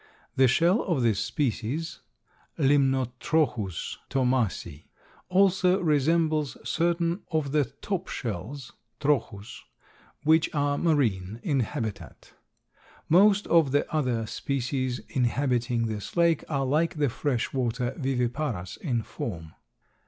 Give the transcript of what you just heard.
The shell of this species (Limnotrochus thomasi) also resembles certain of the top shells (Trochus), which are marine in habitat. Most of the other species inhabiting this lake are like the fresh water Viviparas in form.